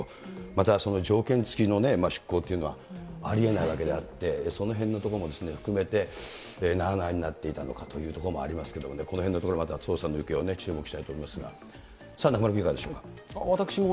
またその条件付きの出航というのはありえないわけであって、そのへんのところも含めて、なあなあになっていたのかというところもありますけども、このへんのところ、また調査の行方を注目したいと思いますけれども。